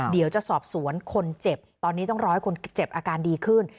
เดี๋ยวจะสอบสวนคนเจ็บตอนนี้ต้องรอให้คนเจ็บอาการดีขึ้น